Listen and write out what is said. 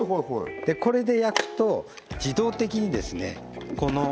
これで焼くと自動的にですね